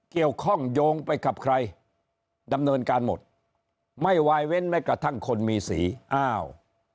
เกี่ยวข้องโยงไปกับใครดำเนินการหมดไม่วายเว้นแม้กระทั่งคนมีสีอ้าว